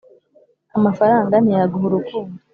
amafaranga ntiyaguha urukundo